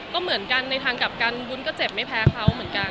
ก็เหมือนกันในทางกลับกันวุ้นก็เจ็บไม่แพ้เขาเหมือนกัน